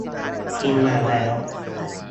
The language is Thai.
พิมพ์มาแล้ว